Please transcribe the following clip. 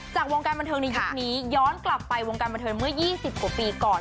วงการบันเทิงในยุคนี้ย้อนกลับไปวงการบันเทิงเมื่อ๒๐กว่าปีก่อน